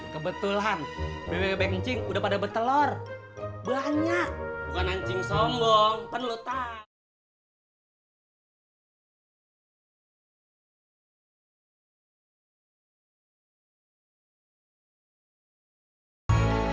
kebetulan bbb kencing udah pada bertelur banyak bukan anjing sombong penuh tak